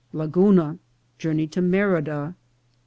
Laguna. — Journey to Merida.